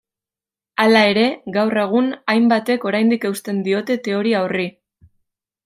Hala ere, gaur egun, hainbatek oraindik eusten diote teoria horri.